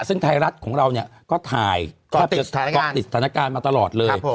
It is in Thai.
ซึ่งไทยรัฐของเราเนี่ยก็ถ่ายก็จะเกาะติดสถานการณ์มาตลอดเลย